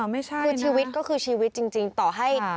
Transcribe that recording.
ไม่ใช่นะคือชีวิตก็คือชีวิตจริงต่อให้ค่ะ